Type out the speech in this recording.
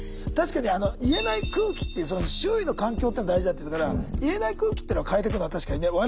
確かに言えない空気っていうその周囲の環境っていうの大事だって言ってたから言えない空気っていうのを変えていくのは確かにね。